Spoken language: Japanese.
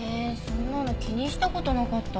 そんなの気にした事なかった。